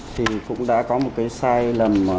thì cũng đã có một cái sai lầm